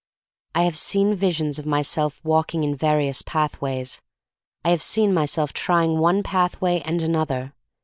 I have seen visions of myself walking in various pathways. I have seen my self trying one pathway and another.